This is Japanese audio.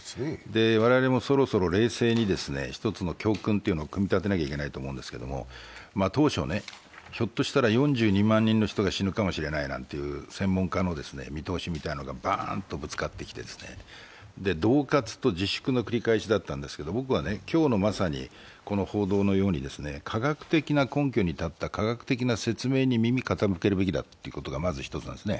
我々もそろそろ冷静に一つの教訓を組み立てなきゃいけないと思うんですけれども、当初、ひょっとしたら４２万人の人が死ぬかもしれないという専門家の見通しみたいなのがバーンとぶつかってきて、どう喝と自粛の繰り返しだったんですけれども僕は今日のまさにこの報道のように科学的な根拠に立った科学的な説明に耳を傾けるべきだというのがまず１つなんですね。